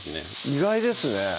意外ですね